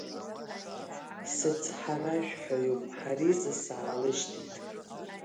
Сыцҳаражәҳәаҩуп, Ҳариза саалышьҭит…